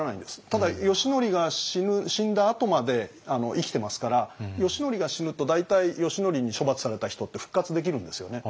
ただ義教が死んだあとまで生きてますから義教が死ぬと大体義教に処罰された人って復活できるんですよね。